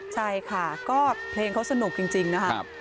ใช่ค่ะก็เพลงเขาสนุกจริงนะครับ